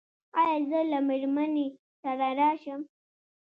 ایا زه له میرمنې سره راشم؟